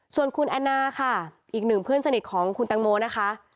ส่วนคุณแอนนาค่ะอีกหนึ่งเพื่อนสนิทของคุณตังโมนะคะ